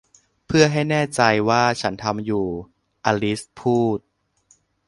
'เพื่อให้แน่ใจว่าฉันทำอยู่' อลิสพูด